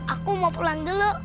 aku mau pulang dulu